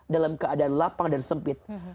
dalam keadaan lapang dan sempit